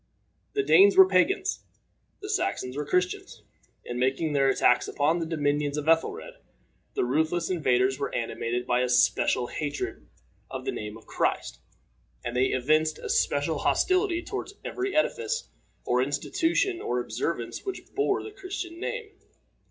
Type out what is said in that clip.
The Danes were pagans. The Saxons were Christians. In making their attacks upon the dominions of Ethelred, the ruthless invaders were animated by a special hatred of the name of Christ, and they evinced a special hostility toward every edifice, or institution, or observance which bore the Christian name.